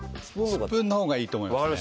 スプーンのほうがいいと思いますね。